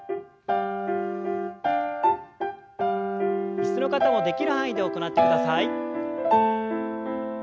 椅子の方もできる範囲で行ってください。